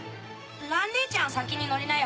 蘭ねえちゃん先に乗りなよ。